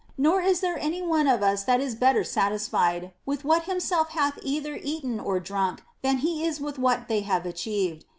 Nor is there any of us that is better satisfied with what himself hath either eaten or drunk than he is with what they have achieved.